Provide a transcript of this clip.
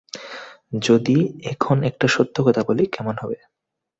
যদি এখন একটা সত্যি কথা বলি, কেমন হবে?